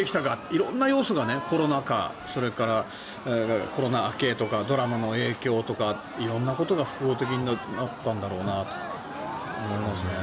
色んな要素がコロナ禍それからコロナ明けとかドラマの影響とか色んなことが複合的にあったんだろうなと思いますね。